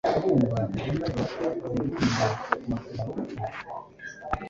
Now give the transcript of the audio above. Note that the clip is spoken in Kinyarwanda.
Mirage rimwe na rimwe igaragara mu kigobe cya Toyama.